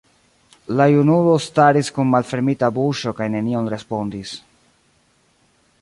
La junulo staris kun malfermita buŝo kaj nenion respondis.